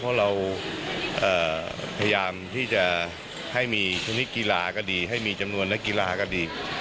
เพราะเราพยายามที่จะให้มีชนิดกีฬาก็ดีให้มีจำนวนนักกีฬาก็ดี